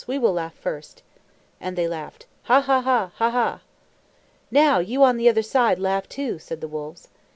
"We will laugh first." And they laughed, "Ha, ha, ha, ha, ha!" "Now you on the other side laugh, too," said the wolves.